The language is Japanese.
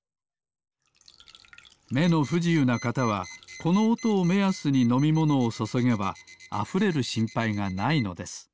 めのふじゆうなかたはこのおとをめやすにのみものをそそげばあふれるしんぱいがないのです。